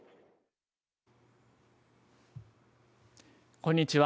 こんにちは。